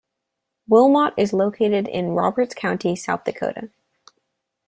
Wilmot is located in Roberts County, South Dakota.